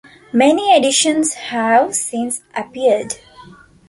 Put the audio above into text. Many editions have since appeared.